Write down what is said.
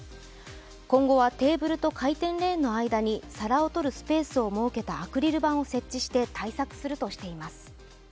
今後はテーブルと回転レーンの間に皿を取るスペースを設けたアクリル板を設置して対策するとしています。